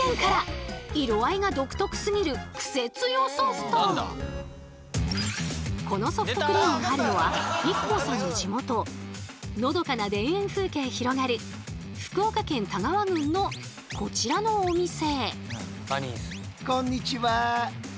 まずはこのソフトクリームがあるのはＩＫＫＯさんの地元のどかな田園風景広がる福岡県田川郡のこちらのお店。